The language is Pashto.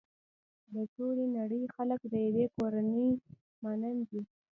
د ټولې نړۍ خلک د يوې کورنۍ مانند دي.